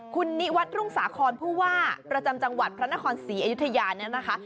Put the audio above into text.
คุณนิวัตรรุ่งสาครผู้ว่าประจำจังหวัดพระนครศรีอยุธยาเนี่ยนะคะ